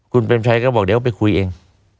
คุณเปรมชัยก็บอกเดี๋ยวไปคุยเอง